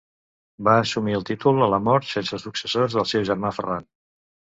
Va assumir el títol a la mort sense successors del seu germà Ferran.